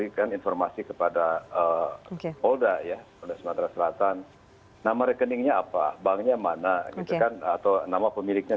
usai jeddah jangan kemana mana